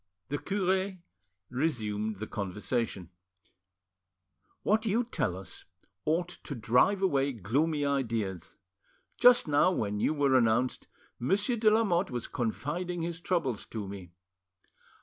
The cure resumed the conversation. "What you tell us ought to drive away gloomy ideas. Just now, when you were announced, Monsieur de Lamotte was confiding his troubles to me.